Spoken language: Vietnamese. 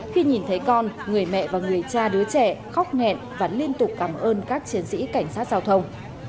khi nhìn thấy con người mẹ và người cha đứa trẻ khóc nghẹn và liên tục cảm ơn các chiến sĩ cảnh sát giao thông